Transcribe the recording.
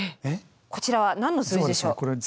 こちらは何の数字でしょう？